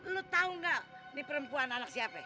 lu tahu nggak ini perempuan anak siapa